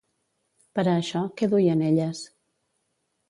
Per a això, què duien elles?